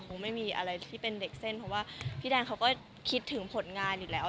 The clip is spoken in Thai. คงไม่มีอะไรที่เป็นเด็กเส้นเพราะว่าพี่แดนเขาก็คิดถึงผลงานอยู่แล้ว